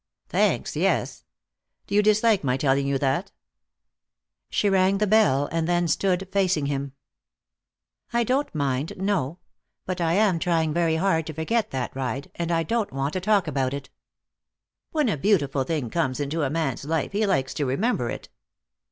"Thanks, yes. Do you dislike my telling you that?" She rang the bell, and then stood Lacing him. "I don't mind, no. But I am trying very hard to forget that ride, and I don't want to talk about it." "When a beautiful thing comes into a man's life he likes to remember it."